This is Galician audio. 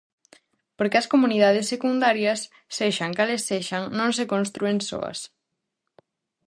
Porque as comunidades secundarias, sexan cales sexan, non se constrúen soas.